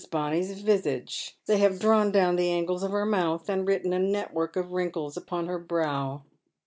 Bonny's visage — they have drawn down the angles of her mouth, and ^vritten a network of wrinkles upon her brow.